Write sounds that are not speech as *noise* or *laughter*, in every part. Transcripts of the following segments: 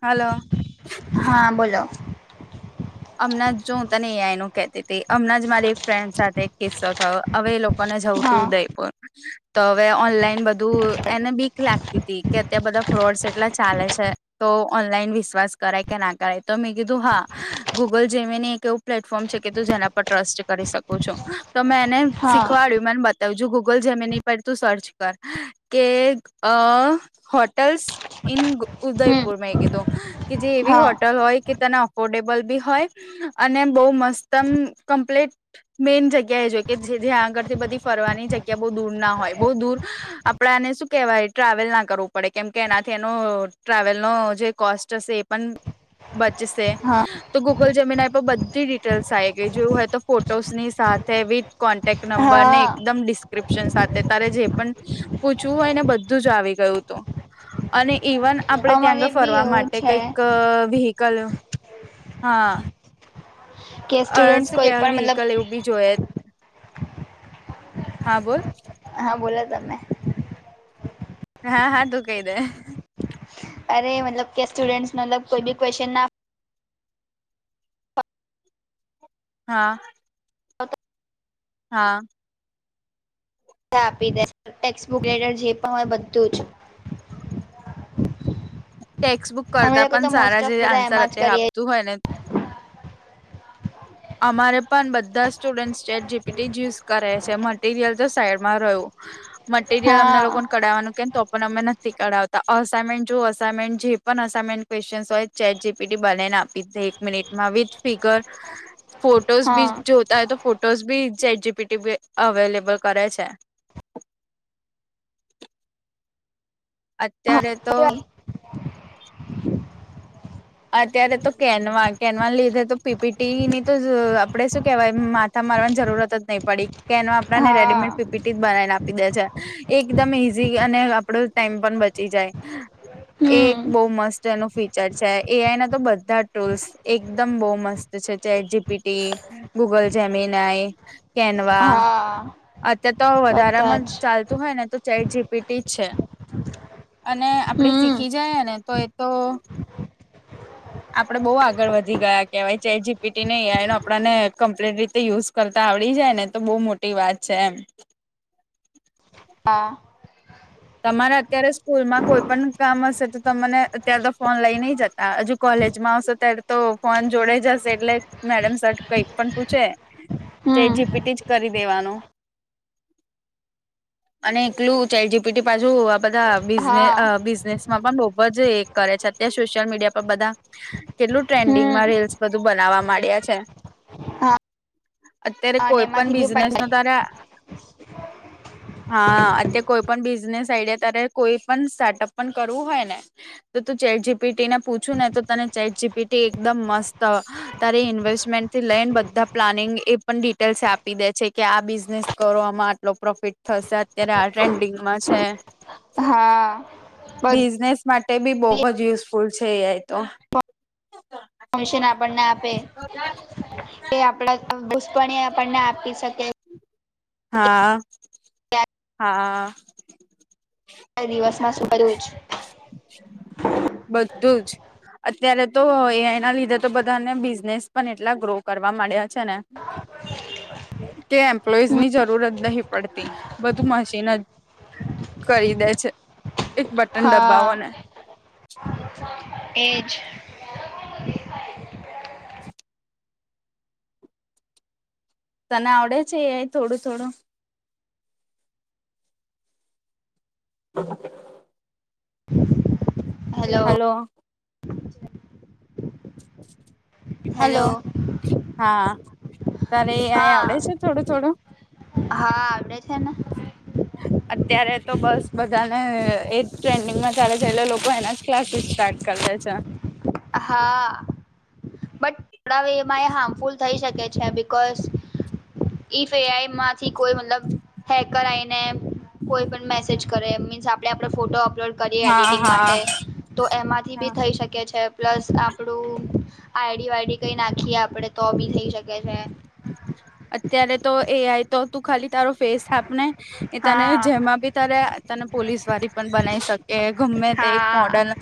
Hello. હા બોલો. હમણાં‌ જો‌ તને એ આઈ હતી હમણાં જ મારી એક ફ્રેન્ડ સાથે કિસ્સો થયો હવે એ લોક કોને જવું તું હા ઉદયપુર તો હવે ઓનલાઈન બધું એને બીક લાગતી હતી કે ત્યાં બધા ફ્રોડ્સ એટલા ચાલે છે. તો ઓનલાઈન વિશ્વાસ કરાય કે ના કરાય તો મેં કીધું હા. ગૂગલ જેમીને એક એવું પ્લેટફોર્મ છે કે તું જેના પર ટ્રસ્ટ કરી શકો છો. તો મે એને હા શીખવાડ્યું મેન બ તો હજો ગૂગલ જેમ નહી પડ તું સર્ચ કર કે અહ હોટેલ્સ ઇન હમ ઉદયપુર મેં કીધું કે જે એવી હા હોટલ હોય કે તેને અફોર્ડેબલ બી હોય અને બોહ મસ્ત આમ ક્પ્લીટ મેન જ્ગ્ય કે જે જ્યાં આગળથી બધી ફરવાની જગ્યા બહ દૂર ના હોય બો દૂર આપ પણાને શું કહેવાય ટ્રાવેલ ના કરવું પડે કેમ કે એનાથી એનો ટ્રાવેલનો જે કોસ્ટ હશે એ પણ બચસે. હા ગૂગલ જમીનાઈ પર બધી ડિટેલ્સ આવી ગઈ જોવું હોય તો ફોટોસની સાથે વિથ કોન્ટેક્ટ નંબર ને હા એકદમ ડીસ ડિસ્ક્રિપ્સન સાથે તારે જે પણ પૂછવું હોય ને બધું આવી ગયું હતુ. અને ઈવન આપડે ત્યાં અમારે આગળ બી ફરવા એવું છે કઈક અહ વ્હીકલ હા. કે અહ સ્ટુડન્ટસ શું કોઈ કેવાય પણ મતલબ વ્હીકલ એવું બી જોઈ હા બોલ હા બોલો તમે. હા હા તૂ કઈ દે. અરે મતલબ કે સ્ટુડેન્ટ મતલબ કોઈ ક્વેશ્ચન ના હા. હા. આપી દે ટેક્સબુક લેટર જે પણ હોય બધું જ. ટેક્સ્ટ બુક અમે કરતા લોકો પણ તો મોસ્ટ સારા ઓફ જે બધા આન્સર એમાં જ અત્યારે કરીએ આપતું હોય ને અમારે પણ બધા students chat G P T use કરે છે મટીરિયલ તો સાઈડમાં રહ્યું. મટીરિયલ અમને હા લોકોને કઢાવવાનું કેય પણ અમે ન થી કડાવતા અસાઇમેન્ટ જો અસામેન્ટ જે પણ અસાઇમેન્ટ ક્વેશ્ચસ હોય ચેટ જી પી ડી બનાવી આપી દે. મિનિટમાં વિથ ફિગર ફોટોસ બી હા જો તારે ફોટોસ બી ચેટ જી ટી પી પર અવેલેબલ કરે છે. અત્યારે તો અત્યારે તો કેનવા કેનવા લીધે તો પી પી ટી ની તો આપડે શું કેવાય મા મારા માં તો જરૂરત જ નહીં પડી કેનો આપણાને હા રેડીમેડ પી પી ટી બનાવીને આપી દે છે એકદમ ઈઝી અને આપડો ટાઈમ પણ બચી જાય. એ હમ એક બહુ મસ્ત એનું ફીચર છે. એ આઈ ના તો બધા ટૂલ્સ એકદમ બહુ મસ્ત chat G P T Google Gemini, Canva હા અત્યારે તો બધા વધારામાં જ ચાલ *unintelligible* હોય ને તો ચે જી પી ટી છે અને આપણે હમ શીખીજાય ને તો તો આપડે બહુ આગળ વધી ગયા કહેવાય ચેટ જી પી ટી ને એ આઇ આપણને કમ્પ્લીટ રીતે યુઝ કરતા આવડી જાય ને તો બહુ મોટી વાત છે એમ. હા. તમારે અત્યારે સ્કૂલમાં કોઈ પણ કામ હશે તો તમને અત્યારે તો ફોન લઈ નહી જતા હજુ કોલેજમાં આવશે ત્યારે તો ફોન જોડાઈ જશે એટલે મેડમ સર કઈક પણ પૂછે ચે હમ જી પી ટી જ કરી દેવાનું અને એકલું ચેટ જી પાછુ આ બધા બિઝને હા અ બિઝનેસ ખુબજ એ કરે છે અત્યારે સોશિયલ મીડિયા પર બધા કેટલું ટ્રેન્ડિંગમાં હમ રીલ્સ બધું બનાવવા માંડ્યા છે. હા અત્યારે અને કોઈ પણ એમાંથી બી બિઝનેસ નો પૈસા તારે હા, અત્યાર કોઈ પણ બિઝનેસ આઈડિયા ત્યારે કોઈ પણ સ્ટાર્ટઅપ પણ કરવું હોય ને તો તું ચેટ જી પી ટીને પૂછુ ને તો તને ચેટ જી પી ટી એકદમ મસ્ત તારે ઇન્વેસ્ટમેન્ટથી લઈને બધા પ્લાનિંગ એ પણ ડિટેલ્સ આપી દે છે કે આ બિઝનેસ કરવા મા લો પ્રોફિટ થશે અત્યારે આ ટ્રેન્ડિંગ માં છે, હા બધું બિઝનેસ માટે બી બહુ જ યુઝફુલ છે એ આઇ તો. મિશન આપણને આપે એ આપડા *inaudible* આપણને આપી શકે. હા. *inaudible* હા. ક્યાં દિવસમાં સુ કરીયસ. બધું જ. અત્યારે તો એ આઈ એના લીધે તો બધાને બિઝનેસ પણ એટલા ગ્રો કરવા મડ્યા છે ને કે એમ્પ્લોઇઝ ની જરૂર જ નહિ પડતી. બધું મશીન જ કરી દે છે. એક બટન દબાવો હા, ને એજ. *unintelligible* તને આવડે છે એ આઈ થોડું ઘણું? હ હાલ હાલો. *inaudible* હેલો હાલો, હા તને એ આઇ આવડે હા છે થોડું થોડું? હા આવડે છે ને. અત્યારે તો બસ બધાને એજ ટ્રેન્ડિંગમાં ચાલે છે લોકો એના ક્લાસીસ સ્ટાર્ટ કર લે છે. હા બટ થોડા વેહ હાર્મફુલ થઈ શકે છે બિકોઝ ઈફ એ આઈ માં થી કોઈ મતલબ હેકર આયને કોઈ પણ મેસેજ કરે મીન્સ આપડે આપડો ફોટો અપલોડ કરી હા એડિટિંગ હા માટે તો એમાંથી બી થઈ શકે છે પ્લસ આપડું આઈ ડી વાઈ ડી કઈ નાખીએ આપડે તો બી થઇ શકે છે. અત્યારે તો એ આય તો તું ખાલી તારો ફેસ આપને એ તને હા જેમાં બી તારે તને પોલીસ વારી પણ બનાઈ શકે ગમે તે એક હા મોડલ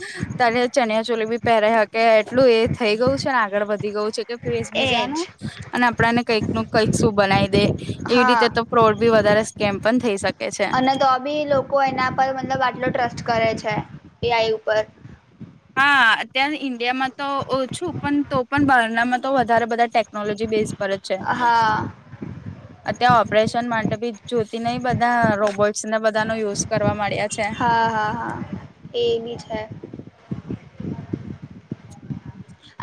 તને ચનિયા ચોલી બી પહેરાઇ હકે એટલું એ થઇ ગયું છે ને આગળ વધી ગયું છે. તે ફેસ બીજાનો એજ અને આપડાને કંઈક નું કઈક શું બનાવી દે. એવી હા રીતે તો ફ્રોડ બી વધારે સ્કેમ પણ થઈ શકે છે. અને તો બી લોકો એના પર મતલબ આટલો ટ્રસ્ટ કરે છે એઆઈ ઉપર હા અત્યારે ઇન્ડિયામાં તો ઓછું પણ તો પણ બારનામાં તો વધારે બધા ટેકનોલોજી બેઝ ફરક છે. હા હા અત્યા ઓપરેશન માટે બી જોતી નઈ બધા રોબોટ્સને બધા નો યુઝ કરવા માડયા છે. હા હા હા એ બી છે.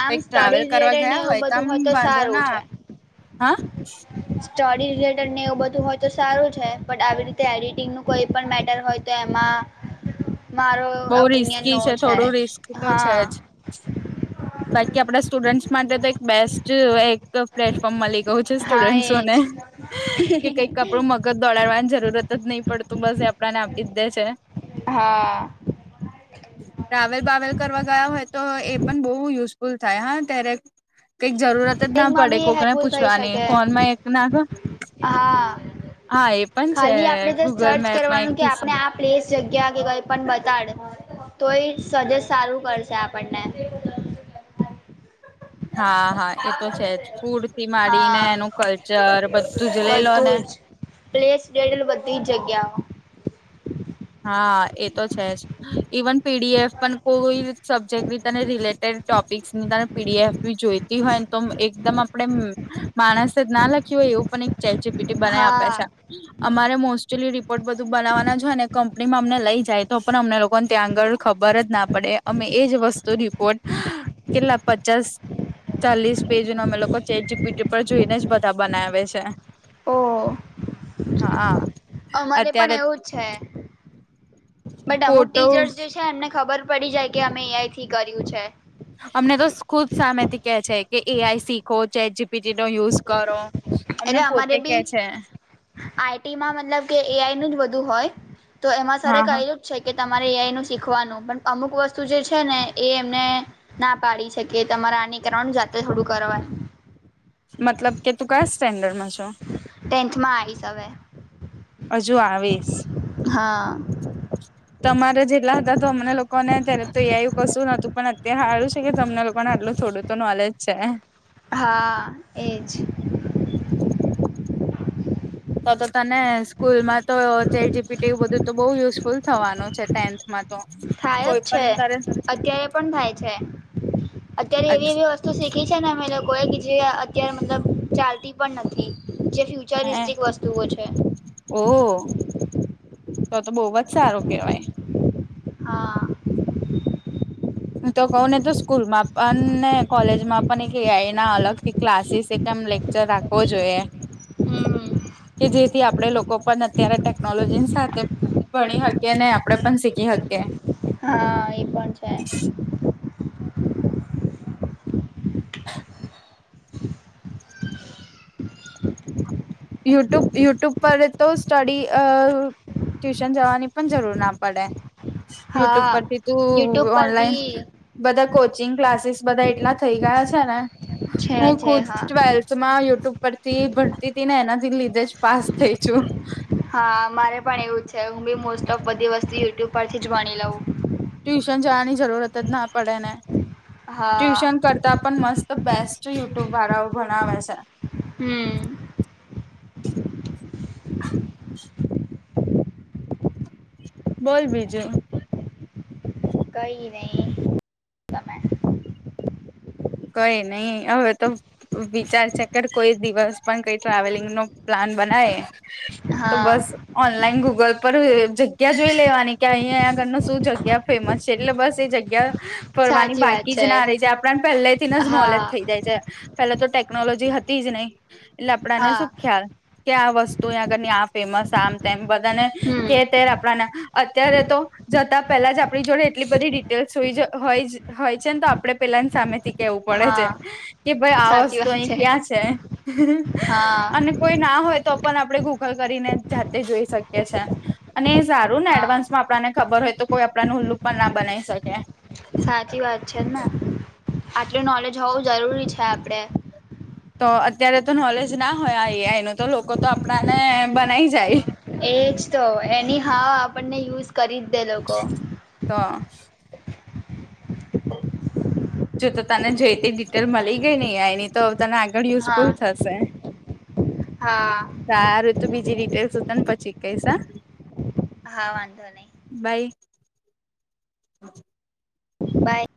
આમ કઈક ટ્રાવેલ સ્ટડી કરવા રિલેટેડ ને ગયા એવું બધું આમ હોય તો વાંધો સારું ના છે. આવે. હા સ્ટડી રિલેટેડ ને એવું બધું હોય તો સારું છે બટ આવી રીતે એડિટિંગ નુ કોઈ પણ મેટર હોય તો એમાં *unintelligible* મારો. બોવ ઓપિનિયન રિસ્કી નો છે થોડું રિસ્ક તો છે હા જ. બાકી આપડા સ્ટુડન્ટસ માટે તો એક બેસ્ટ એક ત પ્લેટફોર્મ મલી ગયું છે હા એજ સ્ટુડન્ટસોને કે કઈક આપડું મગ ગત દોડાડવાની જરૂરત જ નઇ પડતું બસ એ આપડાને આપી જ દે છે. હા. ટ્રાવેલ બાવેલ કરવા ગયા હોય તો એ પણ બોવ બુ યુઝફુલ થાય હા ત્યારે કઈક જરૂરત જ ના એમાં પડે બી કોકને હેલ્પફુલ થઈ પૂછવાની શકે ફોન માં એક નાખ હા હા એ પણ છે ખાલી આપડે જસ ગૂગલ સર્ચ મેપમાં એક કરવાનું કે કિસ્સો આપડે આપ પ્લેસ જગ્યા કે કઈ પણ બતાડે તો એ સજેસ્ટ સારું કરશે આપણને હા હા એ તો છે જ ફૂડ થી માંડીને એનું હા કલ્ચર બધું જ લઈ લો ને બધું જ પ્લેસ ડેડલ બધી જગ્યાઓ હા એ તો છે જ. ઇવન પીડીએફ પણ કોઈ સબ્જેક્ટ ની તને રિલેટેડ ટોપિક્સ ની તને પીડીએફ જોઈતી હોયને તો એકદમ આપડે માણસે જ ના લખ્યું હોય એવું પને ચેટ જીપીટી બનાવી આપે હા છે. અમારે મોસ્ટલી રિપોર્ટ બધું બનાવવાના જ હોય ને કંપનીમાં અમને લઈ જાય તો પણ અમને લોકોને ત્યાં આગળ ખબર જ ના પડે અમે એ જ વસ્તુ રિપોર્ટ કેટલા પચાસ ચાલીસ પેજ નો અમે લોકો ચેટ જી પી ટી પર જોઈને જ બધા બનાવે છે. ઓ હા અમારે પણ અત્યારે એવું છે. બટ અમુક ફોટો ટીચર્સ જે છે એમને ખબર પડી જાય કે અમે એ આઈટી કર્યું છે. અમને તો ખુબ સામેથી કે છે કે એ આઈ શીખો ચેટ જી પીટી નો યુઝ કરો અમને પોતે કે છે. આઈ ટીમાં મતલબ કે એ આઈ નું જ બધું હોય તો એમાં સરે હા હા કયું છે કે તમારે એઆઈ નુ શીખવાનું પણ અમુક વસ્તુ જે છે ને એ એમને ના પાડી છે કે તમારે આની કરવાનું જાતે થોડું કરવાનું મતલબ કે તું કયા સ્ટેન્ડર્ડમાં છો? ટેન્થમાં આવીશ અવે. હજુ આવીશ. હા. તમારે જેટલા હતા તો અમને લોકોને ત્યારે તો એ એવું કશું નતું પણ અત્યારે હારું છે કે તમને લોકોને આટલું થોડું તો નોલેજ છે. હા એજ. તો તો તને સ્કૂલમાં તો ચેટ જીપીટી એવું બધું તો બઉુ યુઝફુલ થવાનું છે ટેન્થમાં તો થાય જ કોઈ છે પણ તારે અત્યારે પણ થાય છે અત્યારે એવી અચ્છા એવી તું શીખી છે ને અમે લોકોએ કે જે અત્યારે મતલબ ચાલતી પણ નથી જે ફ્યુર હે રિસ્ટિક વસ્તુઓ છે. ઓ તો ત બવજ સારું કેવાય. હા. હું તો કઉ ને તો સ્કૂલમાં પણ ને કોલેજમાં પણ એક એઆઈ ના અલગ થી ક્લાસીસ એમ લેક ચર રાખવો જોઈએ. હમ કે જેથી આપણે લોકો પણ અત્યારે ટેકનોલોજીની સાથે ભણી શકીએ ને આપડે પણ શીખી શકીએ. *unintelligible* *inaudible* *inaudible* યુટ્યુબ યુટ્યુબ પર તો સ્ટડી અ ટ્યુશન જવાની પણ જરૂર ના પડે યુટ્યુબ હા પરથી તું યુટ્યુબ પર ઓનલાઈન બી બધા કોચિંગ ક્લાસીસ બધા એટલા થઈ ગયા છે ને છે હું છે ખુદ હા ટવેલ્થ થમાં યુટ્યુબ પરથી ભણતી હતી ને એનાથી લીધે જ પાસ થઈ છું. હા મારે પણ એવું છે હું બી મોસ્ટ ઓફ બધી વસ્તુ યુટ્યુબ પરથી જ ભણી લઉ. ટ્યુશન જવાની જરૂરત જ ના પડે ને ટ્યુશન હા કર તો પણ મસ્ત બેસ્ટ યુટ્યુબ વાળાઓ ભણાવે છે. હમ. બોલ બીજું. કઈ નહી તમે કઈ નહી હવે તો વિચાર છે કે કોઈ દિવસ પણ કઈ ટ્રાવેલિંગ નો પ્લાન બનાય તો બસ હા ઓનલાઈન ગુગલ પર જગ્યા જોઈ લેવાની કે અહીંયા આગળ શું જગ્યા ફેમસ છે એટલે બસ એ જગ્યા ફરવાની સાચી વાત બાકી જ છે ના રહી જાય આપણને પહેલે થી નેજ નોલેજ હા થઈ જાય પેલા તો ટેકનોલોજી હતી જ નહી એટલે આપડાને હા શું ખ્યાલ કે આ વસ્તુ અયા આગળની આ ફેમસ આમ તેમ બધા ને હમ કે તે આપણાને અત્યારે તો જતા પેલા જ આપણી જોડે એટલી બધી ડિટેલ્સઈ હોઈ હોય જ હોય છે ને તો આપડે પેલા ની સામે થી કેવું પડે છે હા કે ભાઈ આ સાચી વસ્તુ વાત અહી ક્યાં છે હા અને કોઈ ના હોય તો પણ આપણે ગૂગલ કરીને જાતે જોઈ શકીએ છે. અને એ સારું ને હા એડવાન્સ માં આપણને ખબર હોય તો કોઈ આપણાનું ઉલ્લું પણ ના બનાવી શકે. સાચી વાત છે ને આટલું નોલેજ હોવું જરૂરી છે આપડે. તો અત્યારે તો નોલેજ ના હોય આ એઆઈ નો તો લોકો તો આપણાને બનાઈ જાય. એજ તો એની હાવ આપણને યુઝ કરી જ દે લોકો. તો. જો તો તને જોઈ તે ડિટેલ મળી ગઈ ને એઆઈ ની તો તને આગળ હા યુઝફુલ થશે. હા. સારું તો બીજી ડિટેલ્સ હું તને પછી કઈશ હા. હા વાંધો નહીં. બાય. બાય.